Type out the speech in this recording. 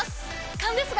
勘ですが！